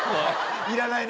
いらないね。